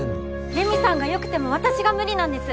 レミさんが良くても私が無理なんです。